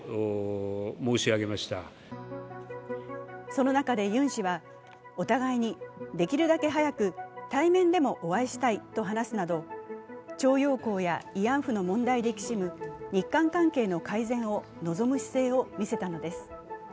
その中でユン氏は、お互いにできるだけ早く対面でもお会いしたいと話すなど、徴用工や慰安婦の問題できしむ日韓関係の改善を望む姿勢を見せたのです。